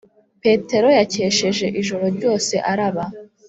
petero yakesheje ijoro ryose araba